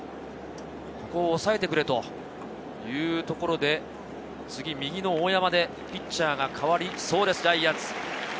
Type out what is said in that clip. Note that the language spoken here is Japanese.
ここを抑えてくれというところで、次、右の大山でピッチャーが代わりそうです、ジャイアンツ。